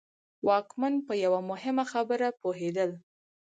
واکمن په یوه مهمه خبره پوهېدل.